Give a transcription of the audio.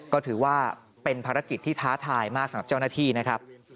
ก็ถือว่าเป็นภารกิจที่ท้าทายมากสำหรับเจ้าหน้าที่นะครับ